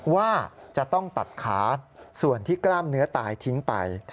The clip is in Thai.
ว่าจะต้องตัดขาส่วนที่กล้ามเนื้อตายทิ้งไป